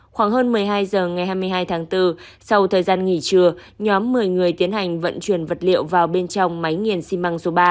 khoảng hơn một mươi hai h ngày hai mươi hai tháng bốn sau thời gian nghỉ trưa nhóm một mươi người tiến hành vận chuyển vật liệu vào bên trong máy nghiền xi măng số ba